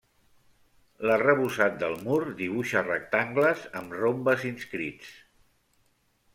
L'arrebossat del mur dibuixa rectangles amb rombes inscrits.